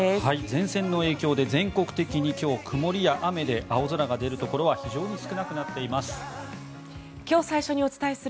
前線の影響で全国的に今日、曇りや雨で青空が出るところは非常に少なくなっています。